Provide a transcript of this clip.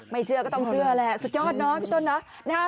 ไม่เชื่อก็ต้องเชื่อแหละสุดยอดนะพี่ต้น